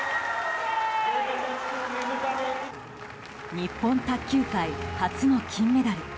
日本卓球界初の金メダル。